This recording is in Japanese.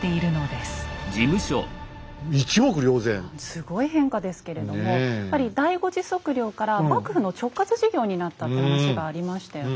すごい変化ですけれどもやっぱり第５次測量から幕府の直轄事業になったって話がありましたよね。